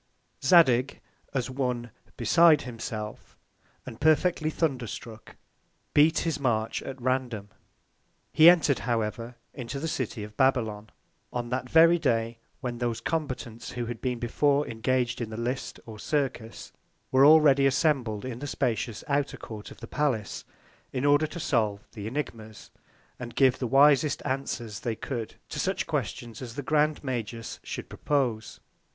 Zadig, as one beside himself, and perfectly thunder struck, beat his March at random. He entred, however, into the City of Babylon, on that very Day, when those Combatants who had been before engag'd in the List or Circus, were already assembled in the spacious Outer Court of the Palace, in order to solve the Ænigmas, and give the wisest Answers they could to such Questions, as the Grand Magus should propose.